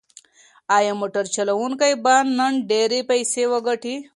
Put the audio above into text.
ایا موټر چلونکی به نن ډېرې پیسې وګټي؟